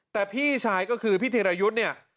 แต่พี่ชายก็คือพี่ธีรยุทธ์เนี่ย